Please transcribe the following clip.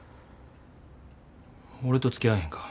俺とつきあわへんか。